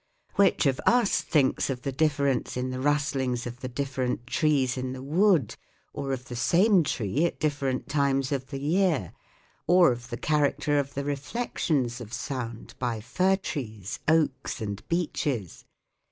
Which of us thinks of the difference in the rustlings of the different trees in the wood, or of the same tree at different times of the year, or of the character of the reflections of sound by fir trees, oaks, and beeches